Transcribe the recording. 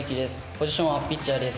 ポジションはピッチャーです。